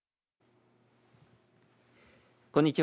こんにちは。